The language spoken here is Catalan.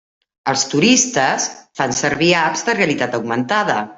Els turistes fan servir apps de realitat augmentada.